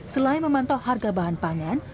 selain memantau harga bahan pangan